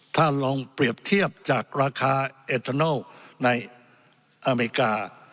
ถ้าลองเปรียบเทียบจากราคาเอทานัลในอเมริกา